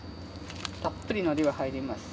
たっぷりのりは入ります。